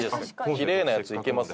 きれいなやついけます？